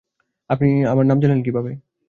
আপনি আমার নাম জানলেন কীভাবে?